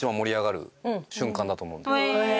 へえ！